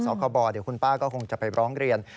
คบเดี๋ยวคุณป้าก็คงจะไปร้องเรียน